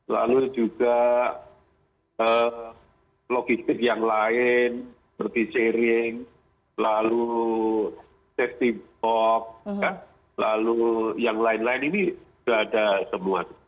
lalu juga logistik yang lain seperti sharing lalu safety box lalu yang lain lain ini sudah ada semua